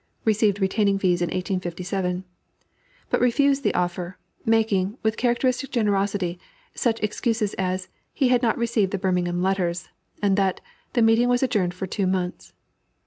received retaining fees in 1857), but refused the offer, making, with characteristic generosity, such excuses as "he had not received the Birmingham letters," and that "the meeting was adjourned for two months."